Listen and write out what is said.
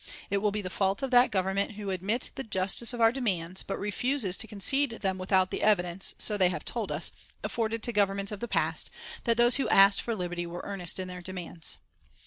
It will be the fault of that Government who admit the justice of our demands, but refuses to concede them without the evidence, so they have told us, afforded to governments of the past, that those who asked for liberty were in earnest in their demands!"